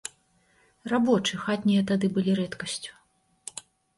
Рабочы, хатнія тады былі рэдкасцю.